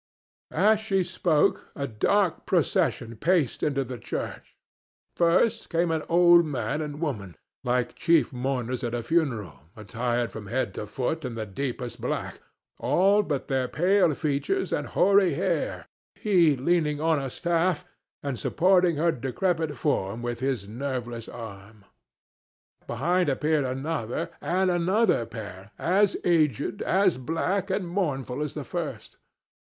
As she spoke a dark procession paced into the church. First came an old man and woman, like chief mourners at a funeral, attired from head to foot in the deepest black, all but their pale features and hoary hair, he leaning on a staff and supporting her decrepit form with his nerveless arm. Behind appeared another and another pair, as aged, as black and mournful as the first.